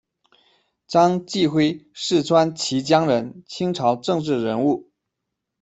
张济辉，四川綦江人，清朝政治人物。